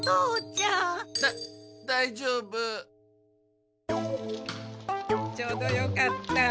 ちょうどよかった。